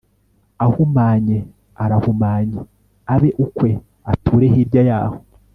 ahumanye arahumanye abe ukwe ature hirya y aho